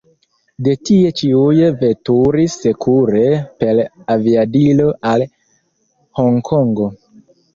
De tie ĉiuj veturis sekure per aviadilo al Honkongo.